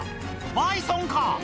バイソンか？